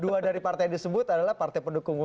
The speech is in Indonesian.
dua dari partai yang disebut adalah partai pendukung